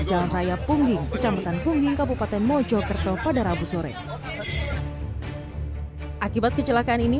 jalan raya pungging kecamatan pungging kabupaten mojokerto pada rabu sore akibat kecelakaan ini